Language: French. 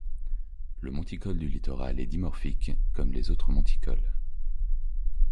Le Monticole du littoral est dimorphique comme les autres monticoles.